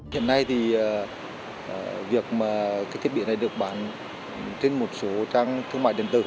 hiện nay thì việc mà cái thiết bị này được bán trên một số trang thương mại điện tử